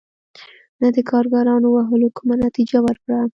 نه د کارګرانو وهلو کومه نتیجه ورکړه.